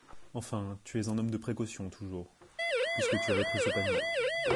Enfin, tu es un homme de précaution, toujours … puisque tu avais pris ce panier.